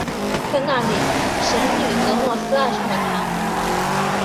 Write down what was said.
在那里神女俄诺斯爱上了他。